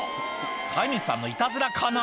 飼い主さんのイタズラかな？